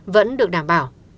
vẫn được đảm bảo